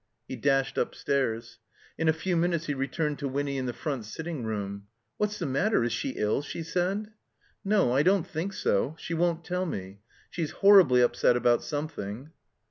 He dashed upstairs. In a few minutes he returned to Winny in the front sitting room. "What's the matter? Is she ill?" she said. "No, I don't think so. She won't teU me. She's horribly upset about something."